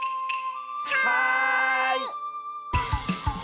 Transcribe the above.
はい！